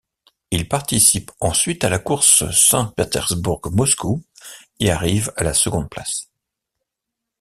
Il participe ensuite à la course Saint-Pétersbourg-Moscou et arrive à la seconde place.